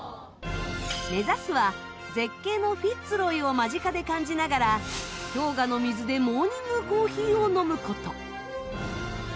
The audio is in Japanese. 目指すは絶景のフィッツ・ロイを間近で感じながら氷河の水でモーニングコーヒーを飲む事。